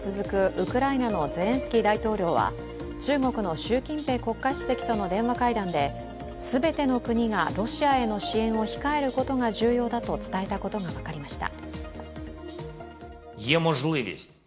ウクライナのゼレンスキー大統領は中国の習近平国家主席との電話会談で全ての国がロシアへの支援を控えることが重要だと伝えたことが分かりました。